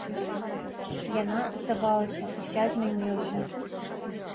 Яна, здавалася, уся змянілася.